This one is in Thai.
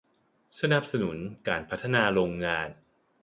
สนับสนุนการพัฒนาโรงงาน